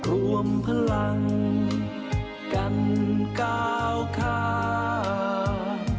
รวมพลังกันก้าวขา